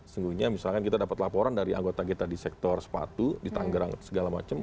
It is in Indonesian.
sesungguhnya misalkan kita dapat laporan dari anggota kita di sektor sepatu di tanggerang segala macam